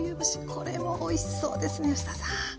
これもおいしそうですね吉田さん。